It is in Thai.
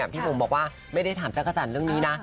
พี่บุ๋มบอกว่าไม่ได้ถามจักรจันทร์เรื่องนี้นะ